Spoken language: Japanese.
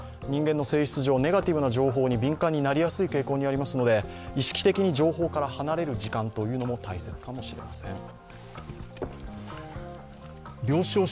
人間の性質上、ネガティブな情報に敏感になりやすいこともありますので、意識的に情報から離れる時間も大切かもしれません。